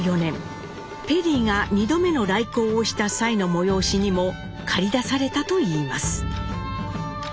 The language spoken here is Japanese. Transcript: ペリーが２度目の来航をした際の催しにも駆り出されたといいます。